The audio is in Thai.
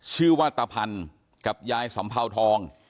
ชื่อว่าตะพันธ์กับยายสำเภาทอง